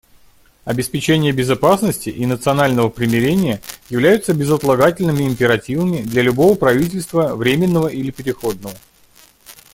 Обеспечение безопасности и национального примирения являются безотлагательными императивами для любого правительства, временного или переходного.